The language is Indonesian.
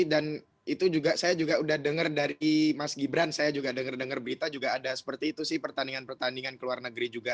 dan itu saya juga sudah dengar dari mas gibran saya juga dengar dengar berita juga ada seperti itu sih pertandingan pertandingan keluar negeri juga